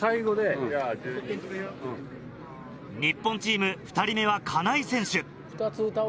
日本チーム２人目はカナイ選手。